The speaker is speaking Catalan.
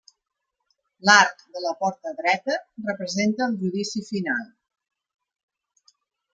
L'arc de la porta dreta representa el Judici Final.